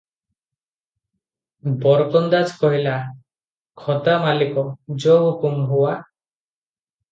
"ବରକନ୍ଦାଜ କହିଲା, "ଖୋଦା ମାଲିକ, ଯୋ ହୁକୁମ ହୁଆ ।"